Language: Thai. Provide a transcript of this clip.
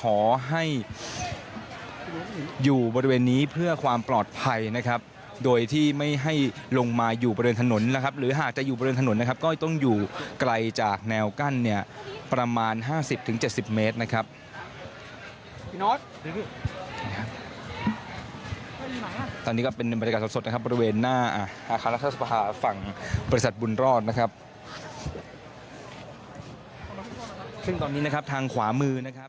ขอให้อยู่บริเวณนี้เพื่อความปลอดภัยนะครับโดยที่ไม่ให้ลงมาอยู่บริเวณถนนนะครับหรือหากจะอยู่บริเวณถนนนะครับก็จะต้องอยู่ไกลจากแนวกั้นเนี่ยประมาณ๕๐๗๐เมตรนะครับตอนนี้ก็เป็นบรรยากาศสดนะครับบริเวณหน้าอาคารรัฐสภาฝั่งบริษัทบุญรอดนะครับซึ่งตอนนี้นะครับทางขวามือนะครับ